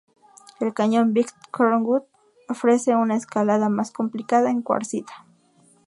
El cañón "Big Cottonwood" ofrece una escalada más complicada en cuarcita.